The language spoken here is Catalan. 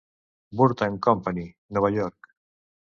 Burt and Company, Nova York.